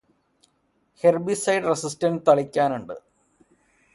herbicide resistance തളിക്കാനുണ്ട്